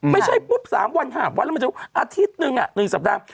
ไม่ใช่ปุ๊บสามวันหาบวันแล้วมันจะรู้อาทิตย์หนึ่งอ่ะหนึ่งสัปดาห์